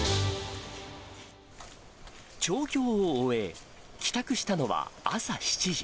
調教を終え、帰宅したのは朝７時。